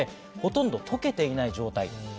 ほとんど溶けていない状態。